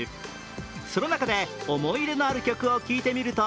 その中で思い入れのある曲を聞いてみると